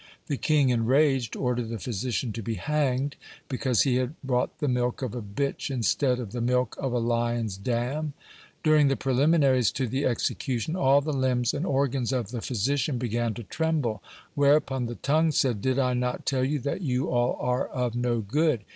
The king, enraged, ordered the physician to be hanged, because he had brought the milk of a bitch instead of the milk of a lion's dam. During the preliminaries to the execution, all the limbs and organs of the physician began to tremble, whereupon the tongue said: "Did I not tell you that you all are of no good?